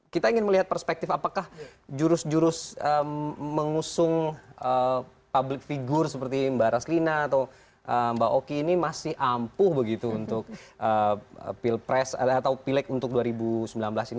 kita ingin melihat perspektif apakah jurus jurus mengusung public figure seperti mbak raslina atau mbak oki ini masih ampuh begitu untuk pilpres atau pilek untuk dua ribu sembilan belas ini